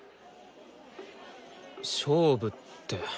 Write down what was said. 勝負って。